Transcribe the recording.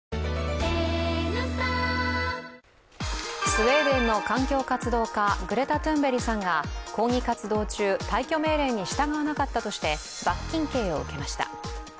スウェーデンの環境活動家グレタ・トゥンベリさんが抗議活動中、退去命令に従わなかったとして罰金刑を受けました。